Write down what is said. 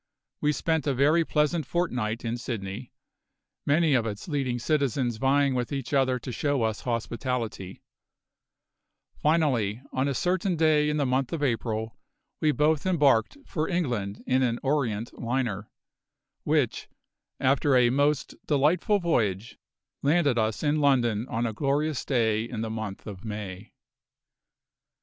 We spent a very pleasant fortnight in Sydney, many of its leading citizens vying with each other to show us hospitality; finally, on a certain day in the month of April we both embarked for England in an Orient liner, which, after a most delightful voyage, landed us in London on a glorious day in the month of May.